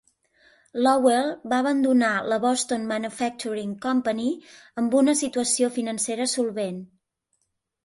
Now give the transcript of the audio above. Lowell va abandonar la Boston Manufacturing Company amb una situació financera solvent.